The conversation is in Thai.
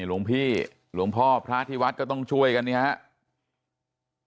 หลวงพี่หลวงพ่อพระที่วัดก็ต้องช่วยกันเนี่ยครับ